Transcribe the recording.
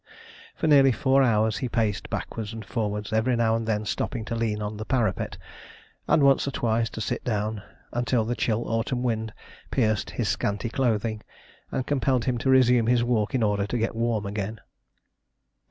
For nearly four hours he paced backwards and forwards, every now and then stopping to lean on the parapet, and once or twice to sit down, until the chill autumn wind pierced his scanty clothing, and compelled him to resume his walk in order to get warm again.